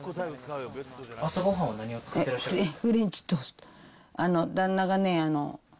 朝ごはんは何を作ってらっしゃるんですか？